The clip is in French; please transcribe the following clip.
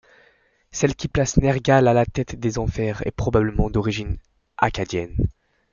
Celle qui place Nergal à la tête des Enfers est probablement d'origine akkadienne.